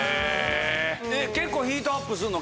結構ヒートアップするの？